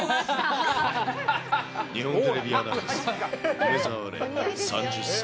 日本テレビアナウンサー、梅澤廉３０歳。